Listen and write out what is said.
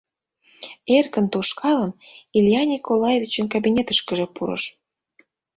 Эркын тошкалын, Илья Николаевичын кабинетышкыже пурыш.